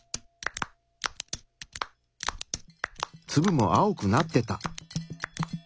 ツブも青くなってた。